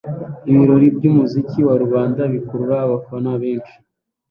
Ibirori byumuziki wa rubanda bikurura abafana benshi!